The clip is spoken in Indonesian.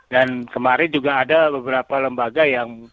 dan kemarin juga ada beberapa lembaga yang